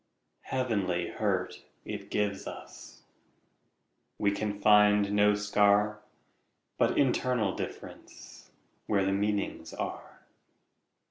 Heavenly hurt it gives us; We can find no scar, But internal differenceWhere the meanings are.